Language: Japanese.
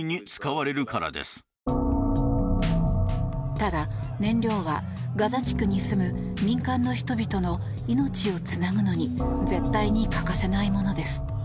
ただ、燃料はガザ地区に住む民間の人々の命をつなぐのに絶対に欠かせないものです。